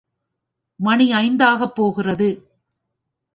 மணி ஐந்தாகப் போகிறது.